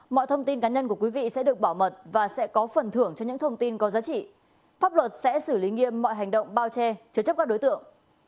mọi thông tin cá nhân của quý vị sẽ được bảo mật và sẽ có phần thưởng cho những thông tin có giá trị pháp luật sẽ xử lý nghiêm mọi hành động bao che chứa chấp các đối tượng